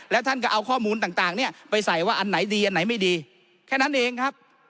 แล้วท่านก็เอาข้อมูลต่างเนี่ยไปใส่ว่าอันไหนดีอันไหนไม่ดีแค่นั้นเองครับ